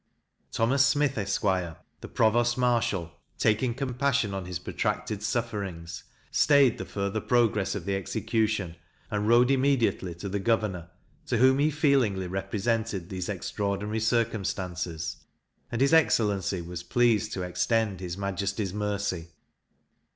Thomas Smyth, esq. the provost marshal, taking compassion on his protracted sufferings, stayed the further progress of the execution, and rode immediately to the governor, to whom he feelingly represented these extraordinary circumstances, and his excellency was pleased to extend his majesty's mercy.